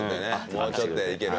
もうちょっとでいける。